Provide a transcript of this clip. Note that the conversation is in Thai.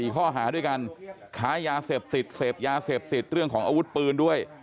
ข้อหาด้วยกันค้ายาเสพติดเสพยาเสพติดเรื่องของอาวุธปืนด้วย